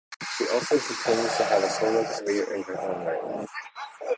She also continues to have a solo career in her own right.